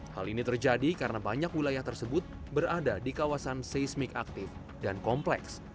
hal ini terjadi karena banyak wilayah tersebut berada di kawasan seismik aktif dan kompleks